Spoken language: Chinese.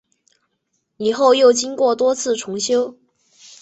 以后又经过多次重修。